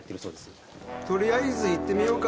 取りあえず行ってみようか。